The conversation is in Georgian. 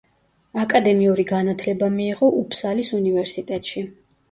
აკადემიური განათლება მიიღო უფსალის უნივერსიტეტში.